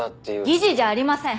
疑似じゃありません！